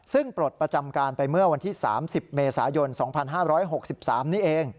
ซึ่งปลดประจำการไปเมื่อวันที่๓๐เมษายน๒๕๖๓นี่เอง